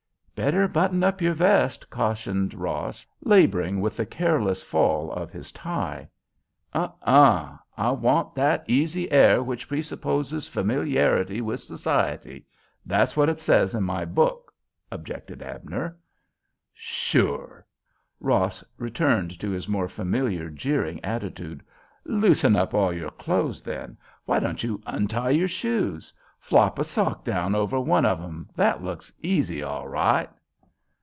"Better button up your vest," cautioned Ross, laboring with the "careless" fall of his tie. "Huh uh! I want ''that easy air which presupposes familiarity with society'—that's what it says in my book," objected Abner. "Sure!" Ross returned to his more familiar jeering attitude. "Loosen up all your clothes, then. Why don't you untie your shoes? Flop a sock down over one of 'em—that looks ''easy' all right."